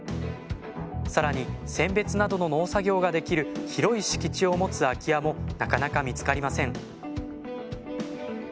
更に選別などの農作業ができる広い敷地を持つ空き家もなかなか見つかりません